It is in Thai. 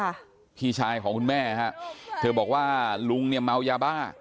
ค่ะพี่ชายของคุณแม่ฮะเธอบอกว่าลุงเนี่ยเมายาบ้า